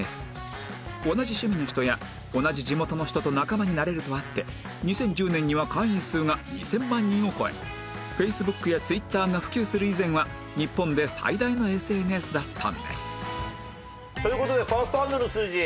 同じ趣味の人や同じ地元の人と仲間になれるとあって２０１０年には会員数が２０００万人を超え Ｆａｃｅｂｏｏｋ や Ｔｗｉｔｔｅｒ が普及する以前は日本で最大の ＳＮＳ だったんですという事でファーストハンドの数字